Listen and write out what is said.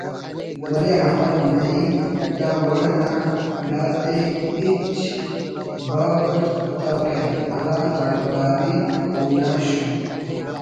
ولے احمد نعیم دا وڑ انا گڑاتے ہچ باک اَٹ اتتوکہ ہرا تعلقداری اونا شون